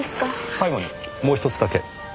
最後にもうひとつだけ。